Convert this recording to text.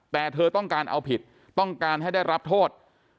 แต่เธอต้องการเอาผิดต้องการให้ได้รับโทษ